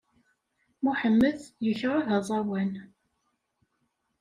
Muḥemmed yekṛeh aẓawan!